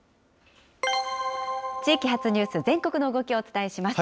地域発ニュース、全国の動きをお伝えします。